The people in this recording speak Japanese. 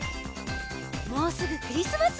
もうすぐクリスマス！